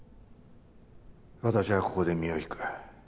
私はここで身を引く。